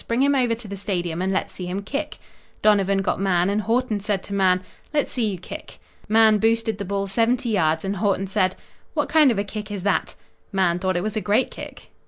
Bring him over to the Stadium and let's see him kick." Donovan got Mahan and Haughton said to Mahan: "Let's see you kick." Mahan boosted the ball seventy yards, and Haughton said: "What kind of a kick is that?" Mahan thought it was a great kick.